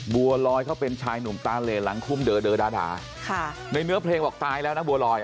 บัวลอยเขาเป็นชายหนุ่มตาเหลหลังคุมเดอเดอร์ดาด่าในเนื้อเพลงบอกตายแล้วนะบัวลอย